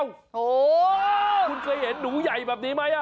โอ้โหคุณเคยเห็นหนูใหญ่แบบนี้ไหม